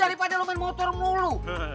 daripada lo main motor mulu